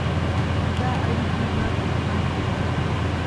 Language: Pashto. دا اړیکې به تلپاتې وي.